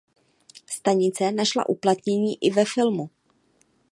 Stanice našla uplatnění i ve filmu.